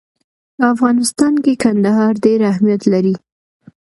په افغانستان کې کندهار ډېر اهمیت لري.